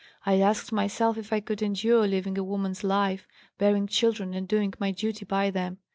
I asked myself if I could endure living a woman's life, bearing children and doing my duty by them.